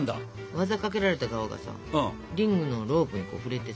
技かけられた側がさリングのロープに触れてさ。